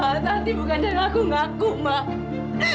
bahwa tanti bukan yang aku ngaku mak